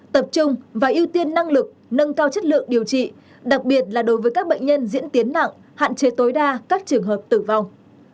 tập trung và ưu tiên năng lực nâng cao chất lượng điều trị đặc biệt là đối với các bệnh nhân diễn tiến nặng hạn chế tối đa các trường hợp tử vong